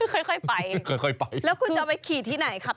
ค่อยไปค่อยไปแล้วคุณจะไปขี่ที่ไหนครับ